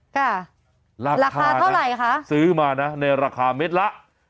ราคาเท่าไหร่คะซื้อมานะในราคาเม็ดละ